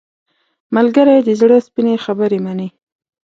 ملګری د زړه سپینې خبرې مني